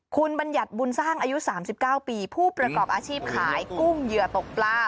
คุณบัญญัติบุญสร้างอายุ๓๙ปีผู้ประกอบอาชีพขายกุ้งเหยื่อตกปลา